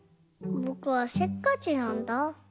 ぼくはせっかちなんだ。